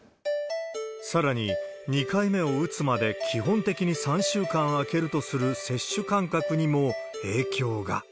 さらに、２回目を打つまで基本的に３週間開けるとする接種間隔にも影響が。